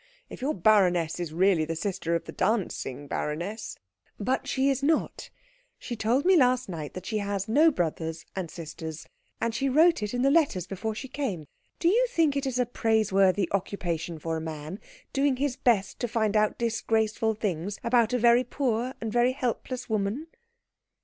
If your baroness is really the sister of the dancing baroness " "But she is not. She told me last night that she has no brothers and sisters. And she wrote it in the letters before she came. Do you think it is a praiseworthy occupation for a man, doing his best to find out disgraceful things about a very poor and very helpless woman?"